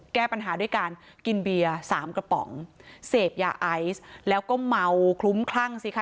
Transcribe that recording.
แก้ปัญหาด้วยการกินเบียร์สามกระป๋องเสพยาไอซ์แล้วก็เมาคลุ้มคลั่งสิคะ